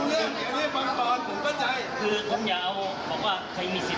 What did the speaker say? ถ้าเขามีสิบบาทที่นี่เขามีสิบบาทที่นี่